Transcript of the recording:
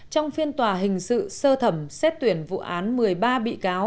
trong phiên tòa hình sự sơ thẩm xét tuyển vụ án một mươi ba bị cáo